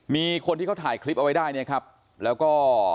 มีคนที่เขาถ่ายคลิปเอาไว้ได้เนี่ยครับแล้วก็